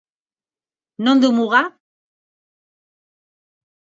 Non du muga?